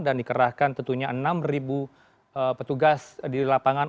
dan dikerahkan tentunya enam petugas di lapangan